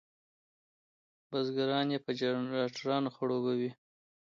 بزګران په جنراټورانو خړوبوي.